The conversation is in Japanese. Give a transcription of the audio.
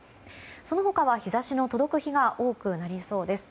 その他は日差しの届く日が多くなりそうです。